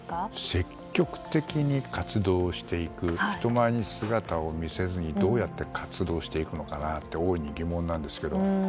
積極的に活動していく人前に姿を出さずにどうやって活動していくのかなと大いに疑問なんですけれども。